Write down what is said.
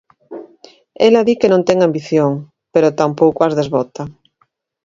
Ela di que non ten ambición, pero tampouco as desbota.